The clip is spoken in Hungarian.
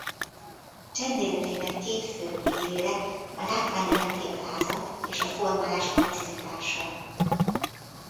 Csendéleteinek két fő pillére a látvány iránti alázat és a formálás precizitása.